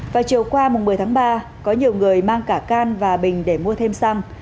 và chiều qua một mươi tháng ba có nhiều người mang cả can và bình để mua thêm xăng